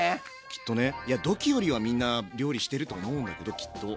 きっとねドッキーよりはみんな料理してると思うんだけどきっと。